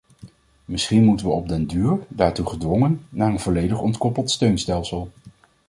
Misschien moeten we op den duur, daartoe gedwongen, naar een volledig ontkoppeld steunstelsel.